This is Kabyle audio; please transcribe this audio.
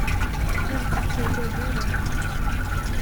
Ur t-tettagad ara.